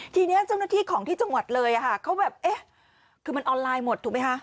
ทีนี้เจ้าหน้าที่ของที่จังหวัดเลยค่ะเขาแบบเอ๊ะคือมันออนไลน์หมดถูกไหมคะ